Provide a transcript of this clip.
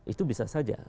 itu bisa saja